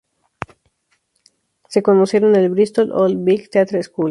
Se conocieron en el Bristol Old Vic Theatre School.